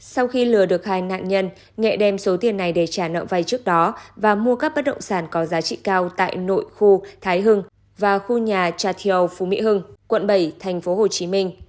sau khi lừa được hai nạn nhân nghệ đem số tiền này để trả nợ vay trước đó và mua các bất động sản có giá trị cao tại nội khu thái hưng và khu nhà tra thiều phú mỹ hưng quận bảy tp hcm